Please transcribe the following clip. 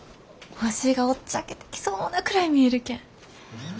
星がおっちゃけてきそうなくらい見えるけん。